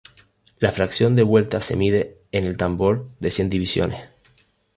La fracción de vuelta se mide en el tambor de cien divisiones.